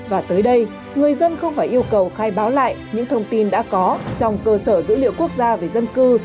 và tới đây người dân không phải yêu cầu khai báo lại những thông tin đã có trong cơ sở dữ liệu quốc gia về dân cư